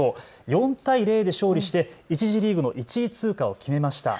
４対０で勝利して１次リーグの１位通過を決めました。